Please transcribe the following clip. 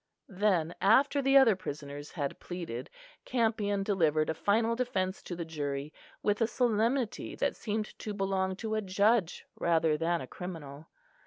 Then, after the other prisoners had pleaded, Campion delivered a final defence to the jury, with a solemnity that seemed to belong to a judge rather than a criminal.